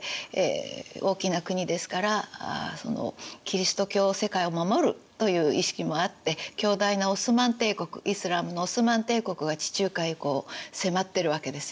大きな国ですからキリスト教世界を守るという意識もあって強大なオスマン帝国イスラームのオスマン帝国が地中海を迫ってるわけですよね。